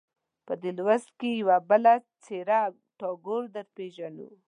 په دې لوست کې یوه بله څېره ټاګور درپېژنو.